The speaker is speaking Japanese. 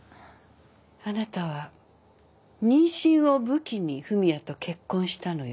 あなたは妊娠を武器に文也と結婚したのよ。